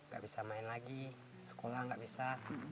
gak bisa main lagi sekolah nggak bisa